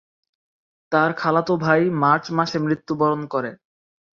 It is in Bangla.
তার খালাতো ভাই মার্চ মাসে মৃত্যুবরণ করে।